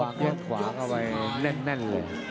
บอกแข่งขวาเข้าไปแน่นเลย